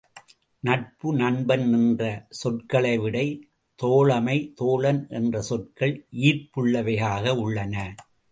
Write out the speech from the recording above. நட்பு, நண்பன் என்ற சொற்களைவிட தோழமை, தோழன் என்ற சொற்கள் ஈர்ப்புள்ளவையாக உள்ளன.